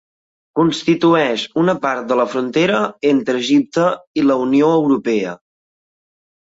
Constitueix una part de la frontera entre Egipte i la Unió Europea.